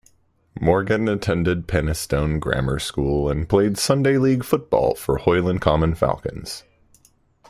Morgan attended Penistone Grammar School and played Sunday league football for Hoyland Common Falcons.